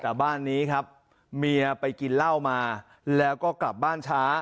แต่บ้านนี้ครับเมียไปกินเหล้ามาแล้วก็กลับบ้านช้า